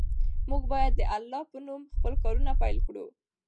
موږ باید د الله په نوم خپل کارونه پیل کړو.